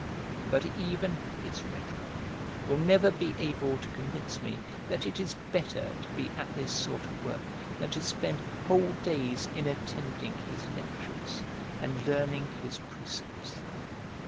But even his rhetoric will never be able to convince me that it is better to be at this sort of work than to spend whole days in attending his lectures and learning his precepts.